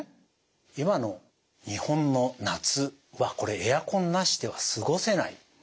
今の日本の夏はこれエアコンなしでは過ごせないと思います。